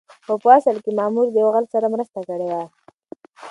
خو په اصل کې مامور د يو غل سره مرسته کړې وه.